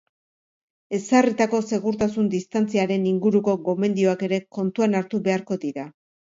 Ezarritako segurtasun-distantziaren inguruko gomendioak ere kontuan hartu beharko dira.